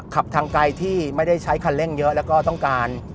ขับทางไกลที่ไม่ได้ใช้คันเร่งเยอะแล้วก็ต้องการ